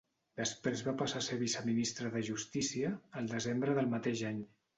Després va passar a ser Viceministra de Justícia, al desembre del mateix any.